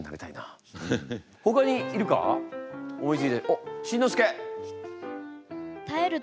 おっしんのすけ！